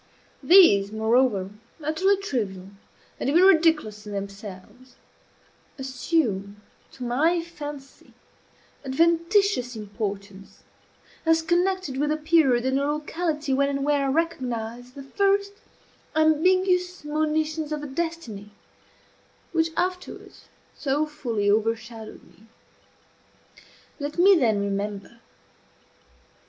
These, moreover, utterly trivial, and even ridiculous in themselves, assume to my fancy adventitious importance, as connected with a period and a locality when and where I recognize the first ambiguous monitions of the destiny which afterwards so fully overshadowed me. Let me then remember.